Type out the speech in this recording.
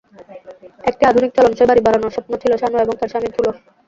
একটি আধুনিক চলনসই বাড়ি বানানোর স্বপ্ন ছিল সানু এবং তাঁর স্বামী থুলোর।